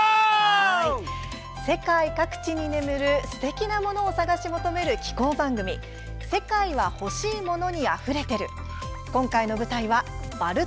世界各地に眠るすてきなものを探し求める紀行番組「世界はほしいモノにあふれてる」